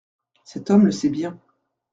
Cet homme le sait bien.